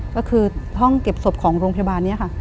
ก็คือห้องเก็บศพของโรงพยาบาลนี้ค่ะ